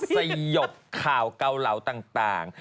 สยบข่าวเกาเหลาต่าง